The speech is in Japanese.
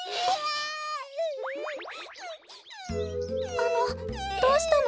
あのどうしたの？